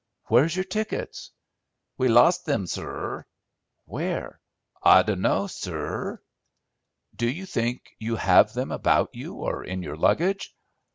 "Where's your tickets?" "We lost thim, sur." "Where?" "I dunno, sur." "Do you think you have them about you or in your luggage?"